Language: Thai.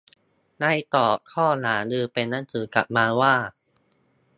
ได้ตอบข้อหารือเป็นหนังสือกลับมาว่า